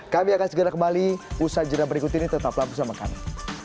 kami akan segera kembali usaha jurnal berikut ini tetaplah bersama kami